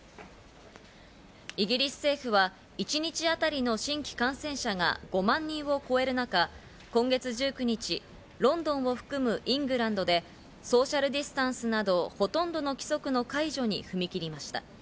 イギリス政府は一日当たりの新規感染者が５万人を超える中、今月１９日、ロンドンを含むイングランドでソーシャルディスタンスなど、ほとんどの規則の解除に踏み切りました。